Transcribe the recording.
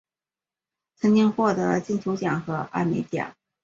曾经获得金球奖和艾美奖。